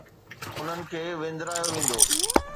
انهن کي وندرايو ويندو